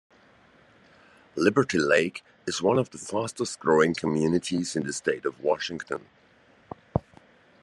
Liberty Lake is one of the fastest growing communities in the State of Washington.